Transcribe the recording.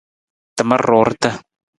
Tamar ruurta.